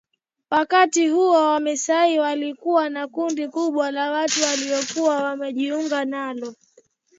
Wakati huo Wamasai walikuwa na kundi kubwa la watu waliokuwa wamejiunga nalo